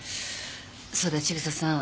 そうだ千草さん。